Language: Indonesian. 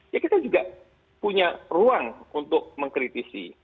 ya kita juga punya ruang untuk mengkritisi